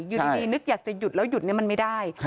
อยู่ดีนึกอยากจะหยุดแล้วหยุดนี้มันไม่ได้